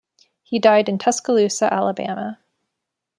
He died in Tuscaloosa, Alabama.